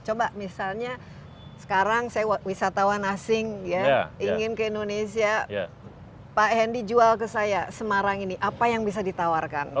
coba misalnya sekarang saya wisatawan asing ya ingin ke indonesia pak hendy jual ke saya semarang ini apa yang bisa ditawarkan